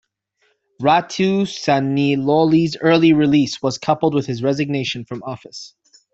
Ratu Seniloli's early release was coupled with his resignation from office.